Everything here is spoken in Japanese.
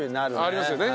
ありますよね。